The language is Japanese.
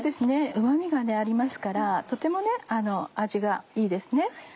うま味がありますからとても味がいいですね。